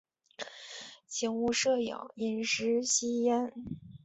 请勿摄影、饮食、吸烟